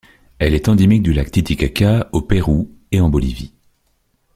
Elle est endémique du lac Titicaca, au Pérou et en Bolivie.